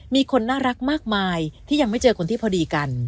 มีคนน่ารักมากมายที่ยังไม่เจอคนที่พอดีกัน